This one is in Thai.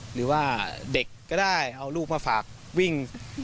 หรือว่าเด็กก็ได้เอาลูกมาฝากวิ่ง